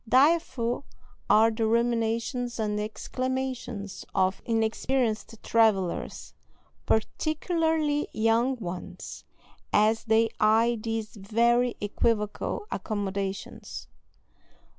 Direful are the ruminations and exclamations of inexperienced travellers, particularly young ones, as they eye these very equivocal accommodations.